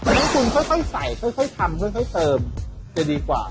งั้นคุณค่อยใส่ค่อยทำค่อยเติมจะดีกว่า